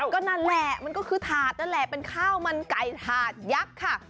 ก็นั่นแหละมันก็คือถาดนั่นแหละเป็นข้าวมันไก่ถาดยักษ์ค่ะ